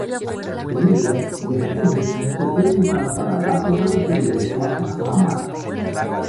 Semillas y esquejes se pueden usar para la propagación de "P. amara".